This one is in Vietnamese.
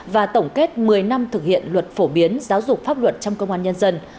và tổng kết một mươi năm thực hiện luật phổ biến giáo dục pháp luật trong công an nhân dân